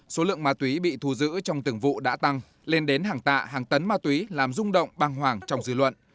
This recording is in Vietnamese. số lượng ma túy bị thù giữ trong từng vụ đã tăng lên đến hàng tạ hàng tấn ma túy làm rung động băng hoàng trong dư luận